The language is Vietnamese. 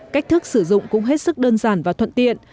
cách thức sử dụng cũng hết sức đơn giản và thuận tiện